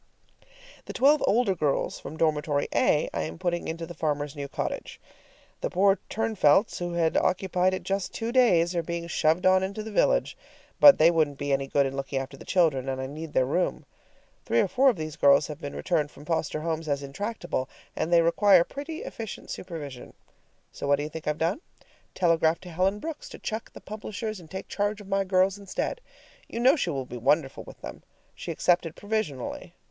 The twelve older girls from dormitory A I am putting into the farmer's new cottage. The poor Turnfelts, who had occupied it just two days, are being shoved on into the village. But they wouldn't be any good in looking after the children, and I need their room. Three or four of these girls have been returned from foster homes as intractable, and they require pretty efficient supervision. So what do you think I've done? Telegraphed to Helen Brooks to chuck the publishers and take charge of my girls instead. You know she will be wonderful with them. She accepted provisionally.